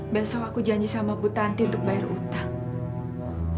besok aku janji sama bu tanti untuk bayar utang